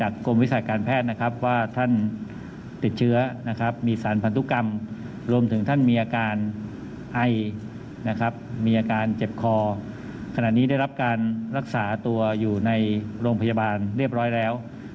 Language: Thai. การรักษาตัวอยู่ในโรงพยาบาลเรียบร้อยแล้ว